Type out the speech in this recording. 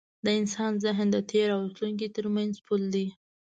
د انسان ذهن د تېر او راتلونکي تر منځ پُل دی.